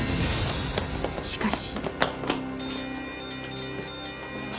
しかし